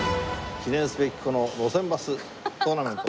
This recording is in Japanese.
記念すべきこの『路線バス』トーナメント。